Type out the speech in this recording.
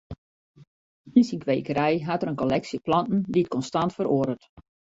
Yn syn kwekerij hat er in kolleksje planten dy't konstant feroaret.